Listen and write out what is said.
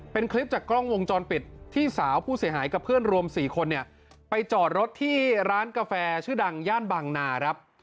เป็นคลิปจากกล้องวงจรปิดที่สาวผู้เสียหายกับเพื่อนรวม๔คนเนี่ยไปจอดรถที่ร้านกาแฟชื่อดังย่านบางนาครับ